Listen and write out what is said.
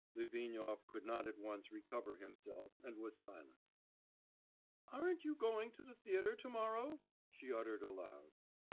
Litvinov could not at once recover himself and was silent. 'Aren't you going to the theatre to morrow?' she uttered aloud.